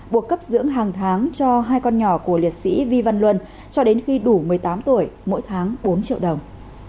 buộc cấp dưỡng hàng tháng cho hai con nhỏ của liệt sĩ vi văn luân cho đến khi đủ một mươi tám tuổi mỗi tháng bốn triệu đồng